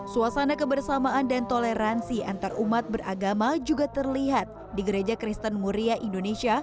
suasana kebersamaan dan toleransi antarumat beragama juga terlihat di gereja kristen muria indonesia